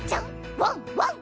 ワンワン！